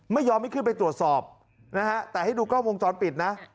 ไม่ยอมให้ขึ้นไปตรวจสอบนะฮะแต่ให้ดูกล้องวงจรปิดนะ